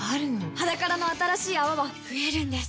「ｈａｄａｋａｒａ」の新しい泡は増えるんです